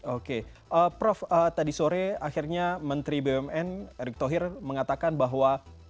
oke prof tadi sore akhirnya menteri bumn erick thohir mengatakan bahwa